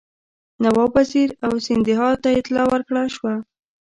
نواب وزیر او سیندهیا ته اطلاع ورکړه شوه.